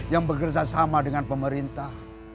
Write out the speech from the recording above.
yang bekerja sama dengan pemerintah